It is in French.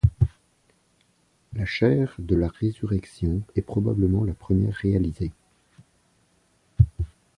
La chaire de la Résurrection est probablement la première réalisée.